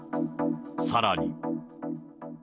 さらに。